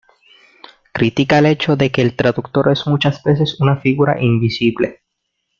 Critica el hecho de que el traductor es muchas veces una figura invisible.